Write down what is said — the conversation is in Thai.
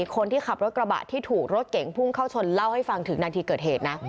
คนที่ขับรถกระบะที่ถูกรถเก่งพุ่งเข้าชนเล่าให้ฟังถึงนาทีเกิดเหตุนะ